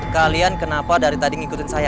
kalian kenapa dari tadi ngikutin saya